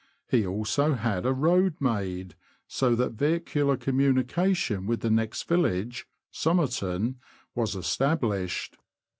He also had a road made, so that vehicular communication with the next village (Somerton) was established.